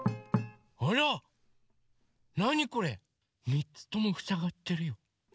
３つともふさがってるよ。